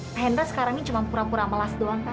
pak hendra sekarang ini cuma pura pura melas doang kan